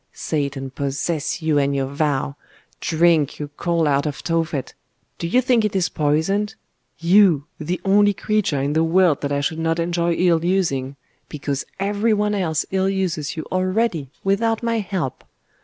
'Satan possess you and your vow! Drink, you coal out of Tophet! Do you think it is poisoned? You, the only creature in the world that I should not enjoy ill using, because every one else ill uses you already without my help!